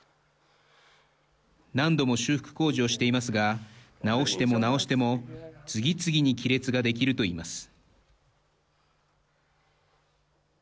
何度も修復工事をしていますが直しても直しても次々に亀裂ができるといいます。